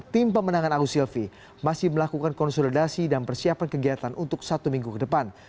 tim pemenangan agus silvi masih melakukan konsolidasi dan persiapan kegiatan untuk satu minggu ke depan